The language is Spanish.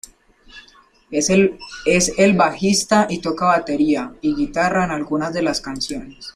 Es el bajista y toca batería y guitarra en algunas de las canciones.